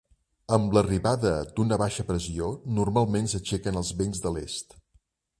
Amb l'arribada d'una baixa pressió, normalment s'aixequen els vents de l'est.